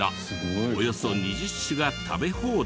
およそ２０種が食べ放題。